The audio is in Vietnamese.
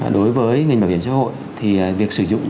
đối với ngành bảo hiểm xã hội thì việc sử dụng